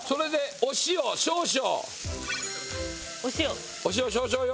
お塩少々よ。